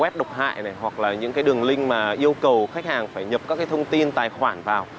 web độc hại này hoặc là những cái đường link mà yêu cầu khách hàng phải nhập các cái thông tin tài khoản vào